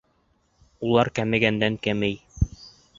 Улар кәмегәндән кәмей.